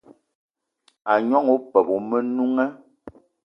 A gnong opeup o Menunga